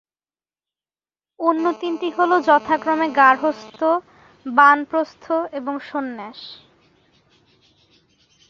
অন্য তিনটি হল যথাক্রমে গার্হস্থ্য, বানপ্রস্থ এবং সন্ন্যাস।